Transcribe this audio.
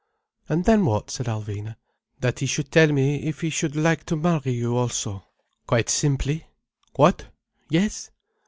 "And then what?" said Alvina. "That he should tell me if he should like to marry you also—quite simply. What? Yes?"